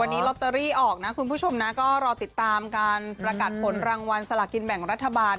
วันนี้ลอตเตอรี่ออกนะคุณผู้ชมนะก็รอติดตามการประกาศผลรางวัลสลากินแบ่งรัฐบาล